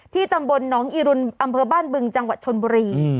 ตำบลน้องอิรุนอำเภอบ้านบึงจังหวัดชนบุรี